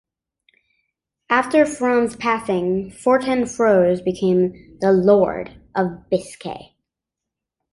After From's passing, Fortun Froes became the Lord of Biscay.